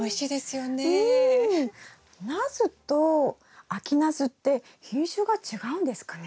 ナスと秋ナスって品種が違うんですかね？